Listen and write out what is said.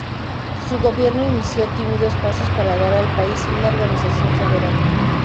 Su gobierno inició tímidos pasos para dar al país una organización federal.